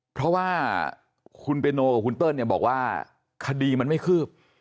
เพราะว่าคุณเปโนกับคุณเติ้ลเนี่ยบอกว่าคดีมันไม่คืบ